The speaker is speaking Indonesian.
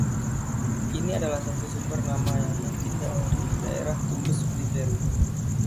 Ini adalah satu sumber nama yang mungkin dari daerah Tumbes di Peru.